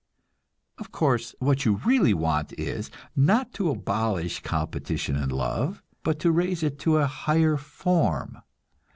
Of course, what you really want is, not to abolish competition in love, but to raise it to a higher form.